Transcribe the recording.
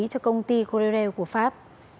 cho công ty correo của pháp